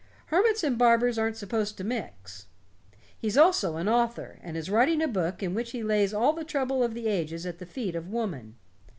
Hermits and barbers aren't supposed to mix. He's also an author, and is writing a book in which he lays all the trouble of the ages at the feet of woman.